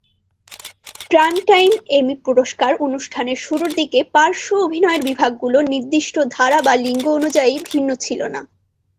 Primetime Emmy পুরস্কার অনুষ্ঠানের শুরুর দিকে পার্শ্ব অভিনয়ের বিভাগগুলো নির্দিষ্ট ধারা বা লিঙ্গ অনুযায়ী ভিন্ন ছিল না।